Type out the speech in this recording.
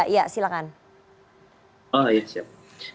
oh ya siap